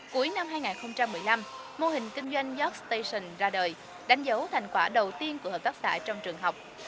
cuối năm hai nghìn một mươi năm mô hình kinh doanh yos station ra đời đánh dấu thành quả đầu tiên của hợp tác xã trong trường học